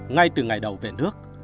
ngay từ ngày đầu về nước